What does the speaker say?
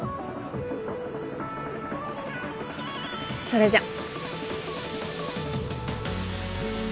それじゃ。